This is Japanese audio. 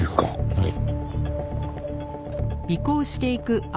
はい。